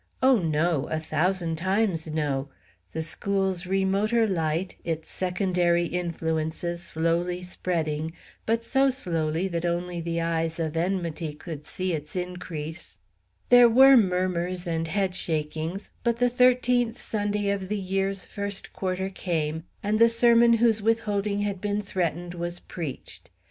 Oh, no, a thousand times no! The school's remoter light, its secondary influences, slowly spreading, but so slowly that only the eyes of enmity could see its increase. There were murmurs and head shakings; but the thirteenth Sunday of the year's first quarter came, and the sermon whose withholding had been threatened was preached.